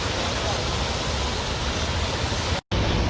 เมื่อเวลาอันดับสุดท้ายจะมีเวลาอันดับสุดท้ายมากกว่า